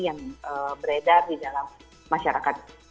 yang beredar di dalam masyarakat